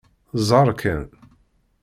Ẓeṛ kan.